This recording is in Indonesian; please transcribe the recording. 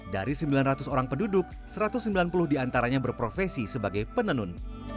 dari sembilan ratus orang penduduk satu ratus sembilan puluh diantaranya berprofesi sebagai penenun